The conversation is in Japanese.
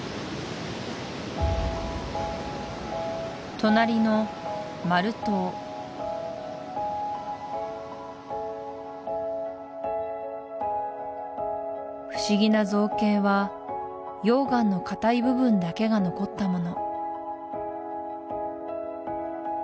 隣のマル島不思議な造形は溶岩のかたい部分だけが残ったもの